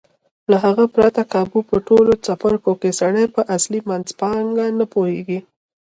له هغه پرته کابو په ټولو څپرکو کې سړی په اصلي منځپانګه نه پوهېږي.